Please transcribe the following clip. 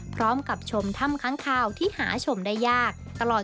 พร้อมกับชมถ้ำค้างคาวที่หาชมได้ยากตลอด